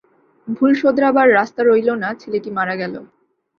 ভুল শোধরাবার রাস্তা রইল না, ছেলেটি মারা গেল।